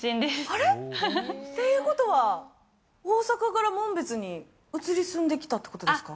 あれっ。っていうことは、大阪から紋別に移り住んできたってことですか？